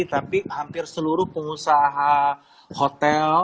tapi hampir seluruh pengusaha hotel